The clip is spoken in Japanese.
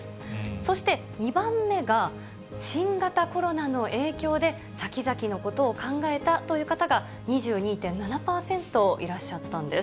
そして２番目が、新型コロナの影響で、先々のことを考えたという方が２２．７％いらっしゃったんです。